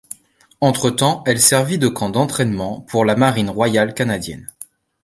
Entre-temps, elle servit de camp d'entrainement pour la Marine royale canadienne.